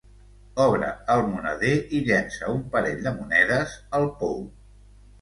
Obre el moneder i llença un parell de monedes al pou.